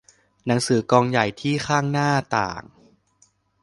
หนังสือกองใหญ่ที่ข้างหน้าต่าง